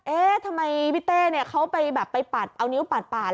เอ๊ะทำไมพี่เต้เขาไปปัดเอานิ้วปัดป่าน